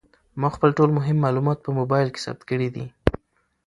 ما خپل ټول مهم معلومات په موبایل کې ثبت کړي دي.